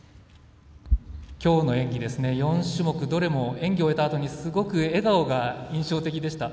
きょうの演技、４種目どれも演技終えたあとにすごく笑顔が印象的でした。